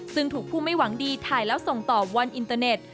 ซึ่งถูกผู้ไม่หวังดีถ่ายแล้วส่งต่อวันอินเตอร์เน็ต